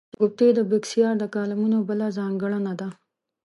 شګفتګي د بېکسیار د کالمونو بله ځانګړنه ده.